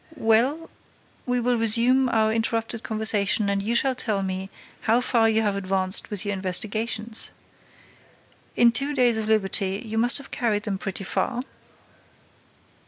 "Well, we will resume our interrupted conversation and you shall tell me how far you have advanced with your investigations. In two days of liberty, you must have carried them pretty far?"